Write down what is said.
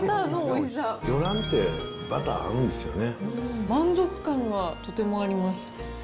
魚卵って、バター合うんっす満足感がとてもあります。